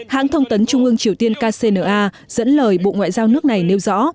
hãng thông tấn trung ương triều tiên kcna dẫn lời bộ ngoại giao nước này nêu rõ